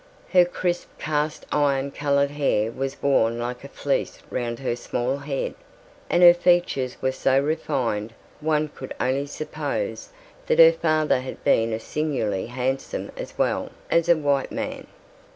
Her crisp cast iron coloured hair was worn like a fleece round her small head, and her features were so refined one could only suppose that her father had been a singularly handsome as well as a white man.